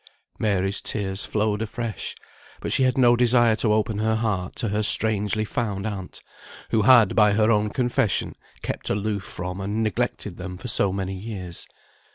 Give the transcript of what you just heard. Mary's tears flowed afresh, but she had no desire to open her heart to her strangely found aunt, who had, by her own confession, kept aloof from and neglected them for so many years.